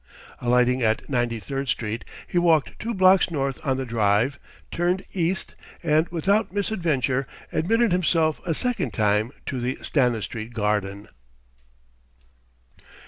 Alighting at Ninety third Street, he walked two blocks north on the Drive, turned east, and without misadventure admitted himself a second time to the Stanistreet garden.